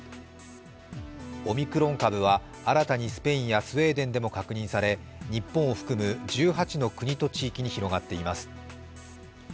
オミクロン株は新たにスペインやスウェーデンでも確認され日本を含む１８の国と地域に広がっています。